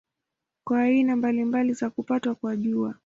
Kuna aina mbalimbali za kupatwa kwa Jua.